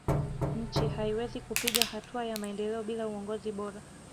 nchi haiwezi kupiga hatua ya maendeleo bila uongozi bora